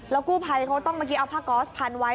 แล้วกู้ภัยเขาต้องเอาผ้ากอสพันธ์ไว้